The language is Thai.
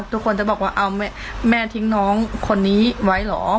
ทุกคนจะบอกว่าเอาแม่ทิ้งน้องคนนี้ไว้เหรอ